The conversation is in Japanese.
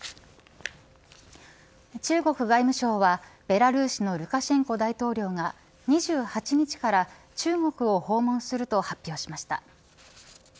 中国外務省はベラルーシのルカシェンコ大統領が２８日から中国を訪問すると発表しました。